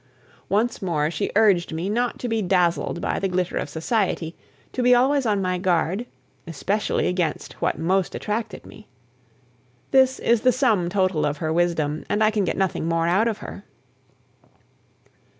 Once more she urged me not to be dazzled by the glitter of society, to be always on my guard, especially against what most attracted me. This is the sum total of her wisdom, and I can get nothing more out of her.